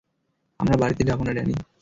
আমরা বাড়িতে যাবো না, ড্যানি!